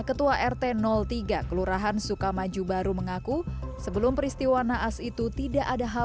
ketua rt tiga kelurahan sukamaju baru mengaku sebelum peristiwa naas itu tidak ada hal